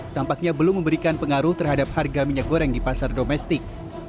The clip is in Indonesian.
tampaknya belum memberikan pengaruh terhadap harga minyak goreng di pasar domestik